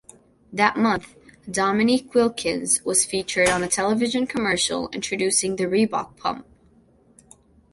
That month, Dominique Wilkins was featured on a television commercial introducing the Reebok Pump.